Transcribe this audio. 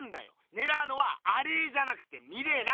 ねらうのはアレーじゃなくてミレーな。